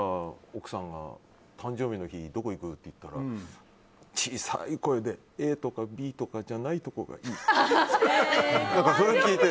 奥さんが誕生日の日どこ行くって言ったら小さい声でＡとかＢとかじゃないところがいいって。